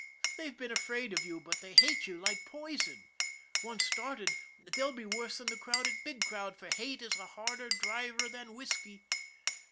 They've been afraid of you, but they hate you like poison. Once started, they'll be worse than the crowd at Big Cloud for hate is a harder driver than whisky.